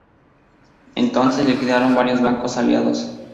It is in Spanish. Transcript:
Entonces liquidaron varios bancos aliados.